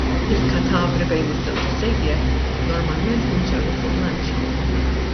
Il-katavri bejn iż-żewġ gżejjer normalment jinġarru fuq lanċa.